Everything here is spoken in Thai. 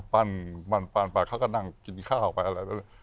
ปั้นปั้นปั้นไปเขาก็นั่งกินข้าวไปอะไร